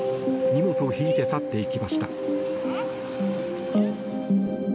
荷物を引いて去っていきました。